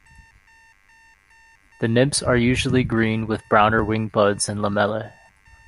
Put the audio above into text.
The nymphs are usually green with browner wing buds and lamellae.